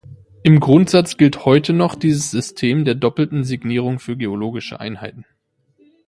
Im Grundsatz gilt heute noch dieses System der doppelten Signierung für geologische Einheiten.